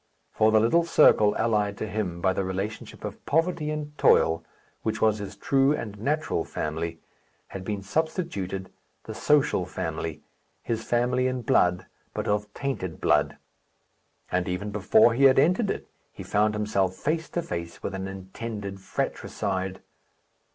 For the little circle allied to him by the relationship of poverty and toil, which was his true and natural family, had been substituted the social family his family in blood, but of tainted blood; and even before he had entered it, he found himself face to face with an intended fractricide.